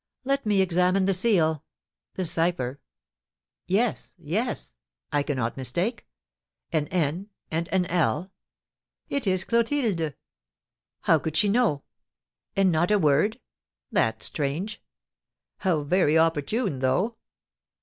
Let me examine the seal, the cipher. Yes, yes, I cannot mistake; an N and an L, it is Clotilde! How could she know? And not a word, that's strange! How very opportune, though!